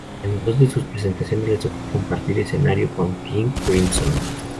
En dos de sus presentaciones le tocó compartir el escenario con King Crimson.